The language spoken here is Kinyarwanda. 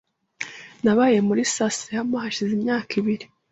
Nabaye muri Sasayama hashize imyaka ibiri .